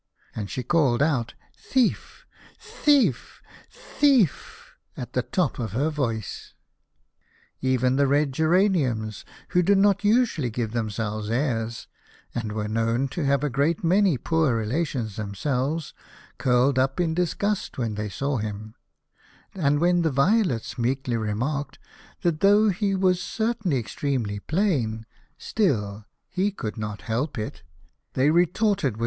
And she called out :" Thief, thief, thief! " at the top of her voice. Even the red Geraniums, who did not usually give themselves airs, and were known to have a great many poor relations them selves, curled up in disgust when they saw him, and when the Violets meekly remarked that though he was certainly extremely plain, still he could not help it, they retorted with 44 The Birthday of the Infanta.